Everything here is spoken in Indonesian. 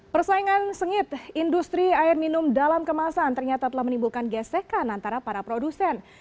persaingan sengit industri air minum dalam kemasan ternyata telah menimbulkan gesekan antara para produsen